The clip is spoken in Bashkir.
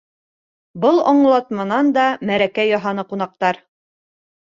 Был аңлатманан да мәрәкә яһаны ҡунаҡтар.